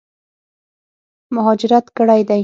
مهاجرت کړی دی.